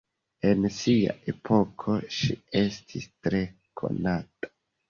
En sia epoko ŝi estis tre konata.